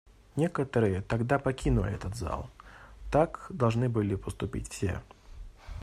Некоторые тогда покинули этот зал; так должны были поступить все.